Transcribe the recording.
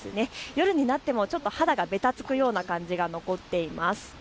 夜になってもちょっと肌がべたつくような感じが残っています。